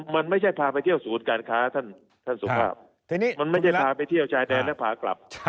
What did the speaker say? มันไม่ใช่พาไปเที่ยวศูนย์การค้าท่านสุภาพมันไม่ใช่พาไปเที่ยวชายแดนแล้วพากลับ